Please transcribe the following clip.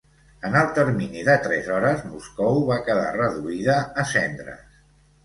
En el termini de tres hores Moscou va quedar reduïda a cendres.